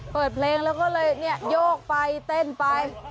เปิดเพลงแล้วก็เลยเนี่ยโยกไปเต้นไป